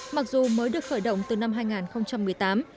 mặc dù mới được khởi động từ năm hai nghìn một mươi tám